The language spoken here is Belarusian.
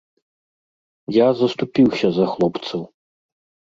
Я заступіўся за хлопцаў.